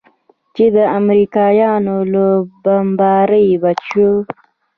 چې د امريکايانو له بمبارۍ بچ سو.